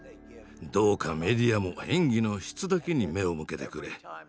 どうかメディアも演技の「質」だけに目を向けてくれ。